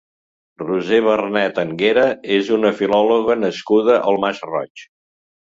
Roser Vernet Anguera és una filòloga nascuda al Masroig.